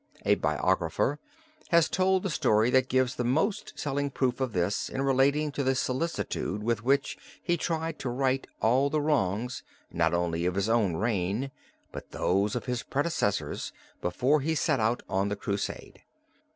A biographer has told the story that gives the most telling proof of this in relating the solicitude with which he tried to right all the wrongs not only of his own reign, but of those of his predecessors, before he set out on the Crusade.